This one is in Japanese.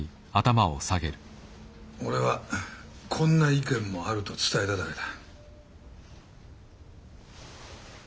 俺は「こんな意見もある」と伝えただけだ。